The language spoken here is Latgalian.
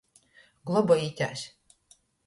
Globojitēs!